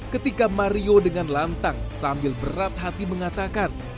ketika mario dengan lantang sambil berat hati mengatakan